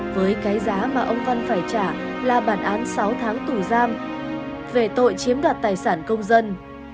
với cái giá mà ông văn phải trả là bản án sáu tháng tù giam về tội chiếm đoạt tài sản công dân